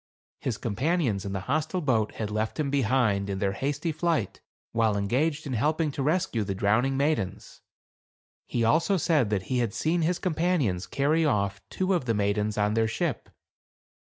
His com panions in the hostile boat had left him, behind, in their hasty flight, while engaged in helping to rescue the drowning maidens ; he also said that he had seen his companions carry off two of the maidens to their ship.